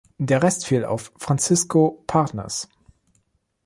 Der Rest fiel auf Francisco Partners.